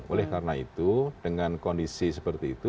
oleh karena itu dengan kondisi seperti itu